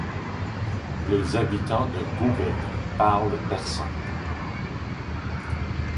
Les habitants de Gougued parlent Persan.